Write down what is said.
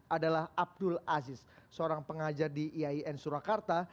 adalah abdul aziz seorang pengajar di iain surakarta